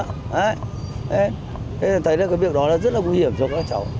thế thì thấy cái việc đó rất là nguy hiểm cho các cháu